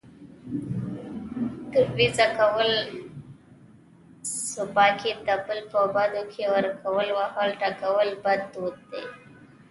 دروېزه کول، څپياکې تپل، په بدو کې ورکول، وهل، ټکول بد دود دی